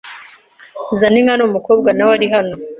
Zaninka ni umukobwa nawe ari hano